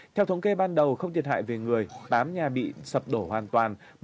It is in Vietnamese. theo thống kê ban đầu không thiệt hại về người tám nhà bị sập đổ hoàn toàn